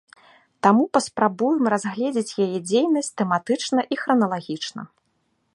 Таму паспрабуем разгледзець яе дзейнасць тэматычна і храналагічна.